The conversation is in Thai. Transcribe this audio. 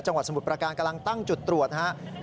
จังหวัดสมุดประการกำลังตั้งจุดตรวจนะฮะ